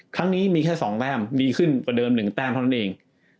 ครั้งนี้มีแค่๒แต้มดีขึ้นกว่าเดิม๑แต้มเท่านั้นเอง